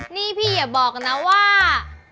นี่พี่อย่าบอกนะว่า